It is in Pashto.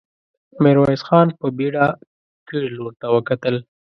ميرويس خان په بېړه کيڼ لور ته وکتل.